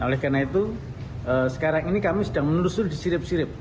oleh karena itu sekarang ini kami sedang menelusuri disirip sirip